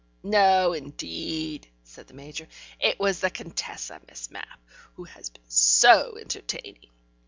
"No, indeed!" said the Major. "It was the Contessa, Miss Mapp, who has been so entertaining."